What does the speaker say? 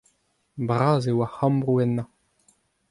Bras eo ar c'hambroù ennañ.